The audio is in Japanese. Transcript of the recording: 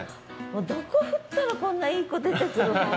どこふったらこんないい子出てくる？